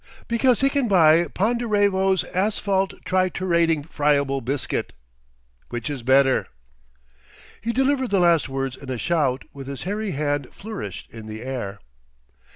Because he can buy Ponderevo's Asphalt Triturating, Friable Biscuit—Which is Better.'" He delivered the last words in a shout, with his hairy hand flourished in the air....